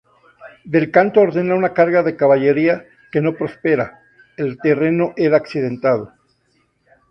Del Canto ordena una carga de caballería que no prospera, el terreno era accidentado.